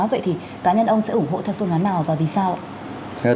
vậy thì cá nhân ông sẽ ủng hộ theo phương án nào và vì sao ạ